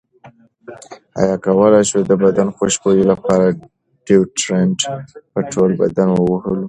ایا کولی شو د بدن خوشبویۍ لپاره ډیوډرنټ په ټول بدن ووهلو؟